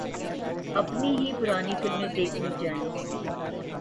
اپنی ہی پرانی فلمیں دیکھ لی جائیں۔